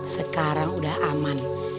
sekarang udah aman